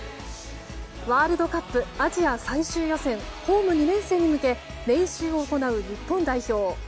ワールドカップアジア最終予選ホーム２連戦へ向け練習を行う日本代表。